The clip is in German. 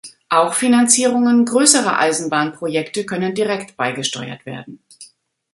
Auch Finanzierungen größerer Eisenbahnprojekte können direkt beigesteuert werden.